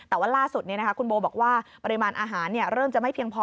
แต่ว่าล่าสุดคุณโบบอกว่าปริมาณอาหารเริ่มจะไม่เพียงพอ